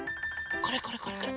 これこれこれこれ。